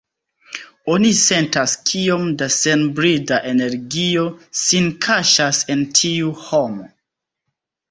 Oni sentas kiom da senbrida energio sin kaŝas en tiu homo.